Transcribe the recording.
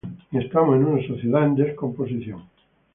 Estamos en una sociedad en descomposición